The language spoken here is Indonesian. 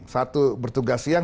satu bertugas siang